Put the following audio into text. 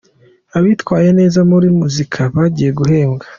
Abitwaye neza muri muzika bagiye guhembwa